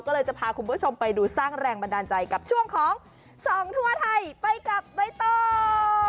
ก็เลยจะพาคุณผู้ชมไปดูสร้างแรงบันดาลใจกับช่วงของส่องทั่วไทยไปกับใบตอง